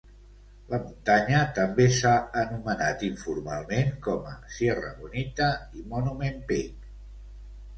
La muntanya també s'ha anomenat informalment com a Sierra Bonita i Monument Peak.